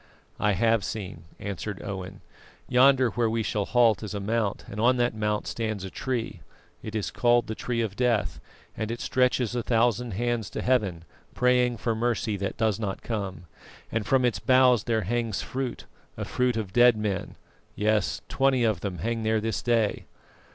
"I have seen," answered Owen. "Yonder where we shall halt is a mount, and on that mount stands a tree; it is called the Tree of Death, and it stretches a thousand hands to Heaven, praying for mercy that does not come, and from its boughs there hangs fruit, a fruit of dead men yes, twenty of them hang there this day."